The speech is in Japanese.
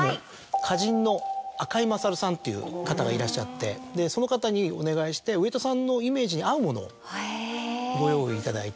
花人の赤井勝さんという方がいらっしゃってその方にお願いして上戸さんのイメージに合うものをご用意いただいて。